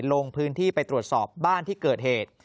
ลงพื้นที่ไปตรวจสอบบ้านที่เกิดเหตุ